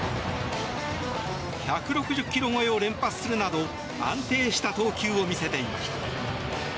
１６０キロ超えを連発するなど安定した投球を見せていました。